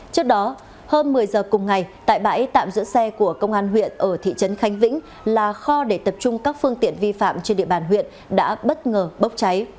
trước đó hôm một mươi giờ cùng ngày tại bãi tạm giữ xe của công an huyện ở thị trấn khánh vĩnh là kho để tập trung các phương tiện vi phạm trên địa bàn huyện đã bất ngờ bốc cháy